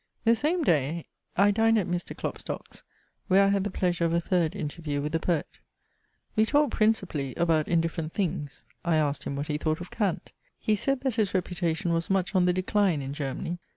The same day I dined at Mr. Klopstock's, where I had the pleasure of a third interview with the poet. We talked principally about indifferent things. I asked him what he thought of Kant. He said that his reputation was much on the decline in Germany.